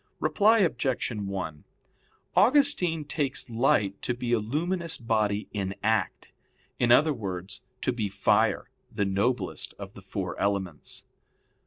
Reply Obj. 1: Augustine takes light to be a luminous body in act in other words, to be fire, the noblest of the four elements.